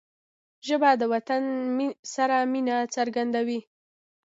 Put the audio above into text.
ژبه د وطن سره مینه څرګندوي